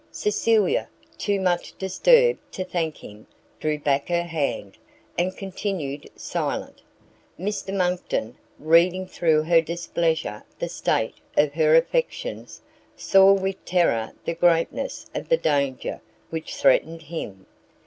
Cecilia, too much disturbed to thank him, drew back her hand, and continued silent. Mr Monckton, reading through her displeasure the state of her affections, saw with terror the greatness of the danger which threatened him.